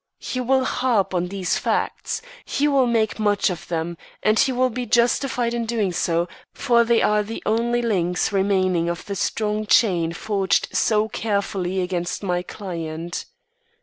He will harp on these facts; he will make much of them; and he will be justified in doing so, for they are the only links remaining of the strong chain forged so carefully against my client.